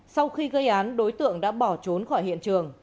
sau khi gây án đối tượng đã bỏ trốn khỏi hiện trường